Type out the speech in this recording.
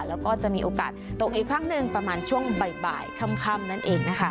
แล้วก็จะมีโอกาสตกอีกครั้งหนึ่งประมาณช่วงบ่ายค่ำนั่นเองนะคะ